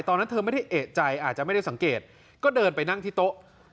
ตอนนั้นเธอไม่ได้เอกใจอาจจะไม่ได้สังเกตก็เดินไปนั่งที่โต๊ะ